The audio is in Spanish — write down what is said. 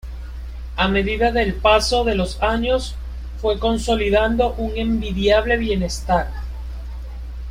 A medida del paso de los años, fue consolidando un envidiable bienestar.